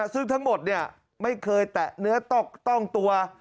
ซึ่งทั้งหมดไม่เคยแตะเนื้อต้องตัว